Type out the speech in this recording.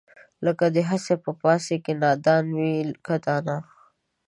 لکه دئ هسې به پاڅي که نادان وي که دانا